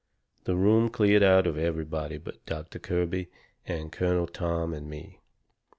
The room cleared out of everybody but Doctor Kirby and Colonel Tom and me.